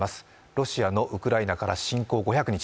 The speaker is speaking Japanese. ロシアのウクライナから侵攻５００日